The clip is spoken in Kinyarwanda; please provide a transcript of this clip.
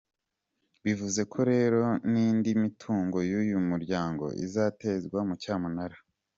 Bivuze ko rero n’indi mitungo y’uyu muryango izatezwa mu cyamunara.